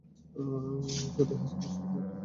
শ্রুতি হাসান এই ছবির একটি আইটেম নাম্বারে উপস্থিত ছিলেন।